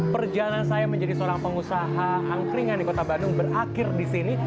perjalanan saya menjadi seorang pengusaha angkringan di kota bandung berakhir di sini